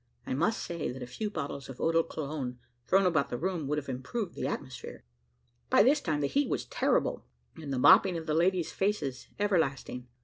I must say, that a few bottles of Eau de Cologne thrown about the room would have improved the atmosphere. By this time the heat was terrible, and the mopping of the ladies' faces everlasting.